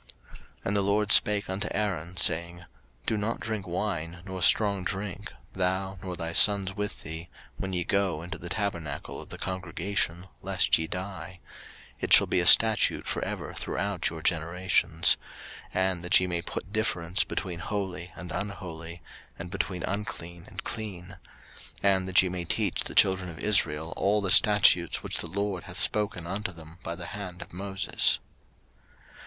03:010:008 And the LORD spake unto Aaron, saying, 03:010:009 Do not drink wine nor strong drink, thou, nor thy sons with thee, when ye go into the tabernacle of the congregation, lest ye die: it shall be a statute for ever throughout your generations: 03:010:010 And that ye may put difference between holy and unholy, and between unclean and clean; 03:010:011 And that ye may teach the children of Israel all the statutes which the LORD hath spoken unto them by the hand of Moses.